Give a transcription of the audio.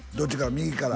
右から？